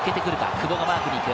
久保がマークに行く。